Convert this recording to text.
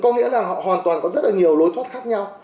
có nghĩa là họ hoàn toàn có rất là nhiều lối thoát khác nhau